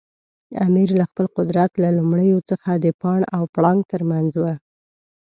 امیر له خپل قدرت له لومړیو څخه د پاڼ او پړانګ ترمنځ و.